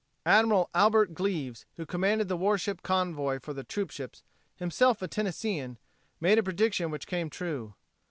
Admiral Albert Gleaves, who commanded the warship convoy for the troop ships, himself a Tennesseean, made a prediction which came true.